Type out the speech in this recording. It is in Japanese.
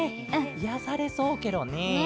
いやされそうケロね。